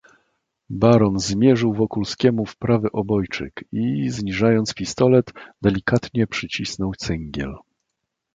"Baron zmierzył Wokulskiemu w prawy obojczyk i, zniżając pistolet, delikatnie przycisnął cyngiel."